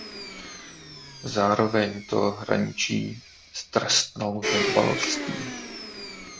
Zároveň to hraničí s trestnou nedbalostí.